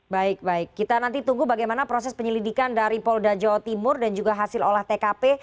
baik baik kita nanti tunggu bagaimana proses penyelidikan dari polda jawa timur dan juga hasil olah tkp